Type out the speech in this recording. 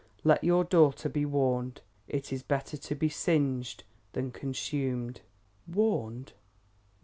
Let your daughter be warned. It is better to be singed than consumed. Warned!